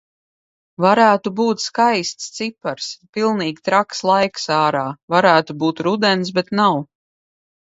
Varētu būt skaists cipars. Pilnīgi traks laiks ārā. Varētu būt rudens, bet nav.